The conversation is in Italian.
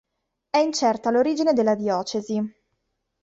È incerta l'origine della diocesi.